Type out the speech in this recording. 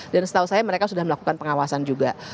dan setahu saya mereka sudah melakukan pengawasan juga